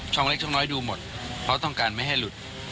เล็กช่องน้อยดูหมดเพราะต้องการไม่ให้หลุด